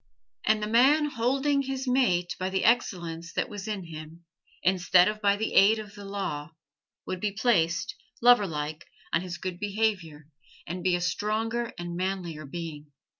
And the man holding his mate by the excellence that was in him, instead of by the aid of the law, would be placed, loverlike, on his good behavior, and be a stronger and manlier being.